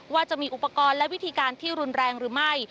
ว่าจะมีอุปกรณ์และวิธีการที่รุนแรงหรือไม่